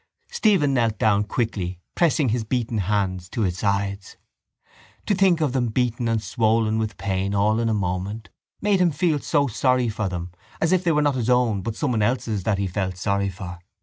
Stephen knelt down quickly pressing his beaten hands to his sides. To think of them beaten and swollen with pain all in a moment made him feel so sorry for them as if they were not his own but someone else's that he felt sorry for.